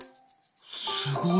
すごい。